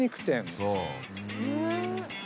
そう。